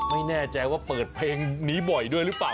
ไม่แน่ใจว่าเปิดเพลงนี้บ่อยด้วยหรือเปล่า